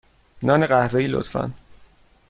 نان قهوه ای، لطفا.